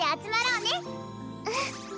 うん。